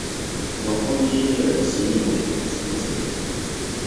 Но он не является и не может быть самоцелью.